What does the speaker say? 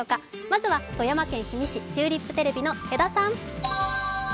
まずは富山県氷見市、チューリップテレビの毛田さん。